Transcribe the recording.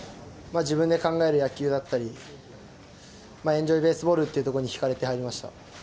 自分で考える野球だったり、エンジョイベースボールというところにひかれて入りました。